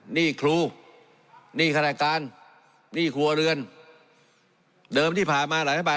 หนี้ครูหนี้ขนาดการหนี้ครัวเรือนเดิมที่ผ่านมาหลายรัฐบาล